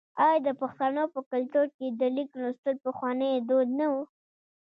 آیا د پښتنو په کلتور کې د لیک لوستل پخوانی دود نه و؟